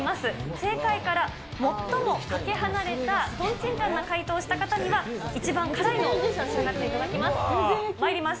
正解から最もかけ離れたとんちんかんな回答をした方には、一番辛いのを召し上がっていただきます。